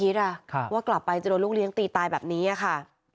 แล้วก็กลับบ้านไปใครจะไปคิดอะว่ากลับไปจะโดนลูกเลี้ยงตีตายแบบนี้อะค่ะ